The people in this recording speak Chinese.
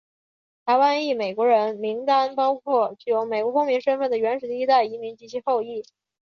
台湾裔美国人名单包括具有美国公民身份的原始第一代移民及其后裔。